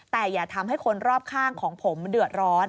แต่อย่าทำให้คนรอบข้างของผมเดือดร้อน